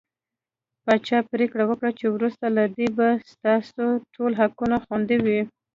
پاچا پرېکړه وکړه چې وروسته له دې به ستاسو ټول حقوق خوندي وي .